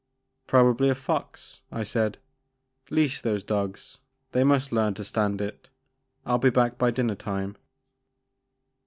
Probably a fox, I said ;leash those dogs, — they must learn to stand it. I * 11 be back by dinner time."